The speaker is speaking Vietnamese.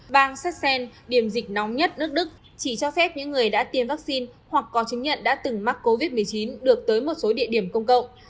bang sassen điểm dịch nóng nhất nước đức chỉ cho phép những người đã tiêm vaccine hoặc có chứng nhận đã từng mắc covid một mươi chín được tới một số địa điểm công cộng